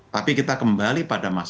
tapi kita kembali pada hal ini